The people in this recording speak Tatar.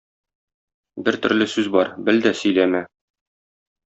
бер төрле сүз бар — бел дә сөйләмә;